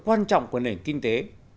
quan trọng của nền kinh tế